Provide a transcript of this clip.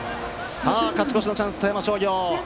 勝ち越しのチャンス、富山商業。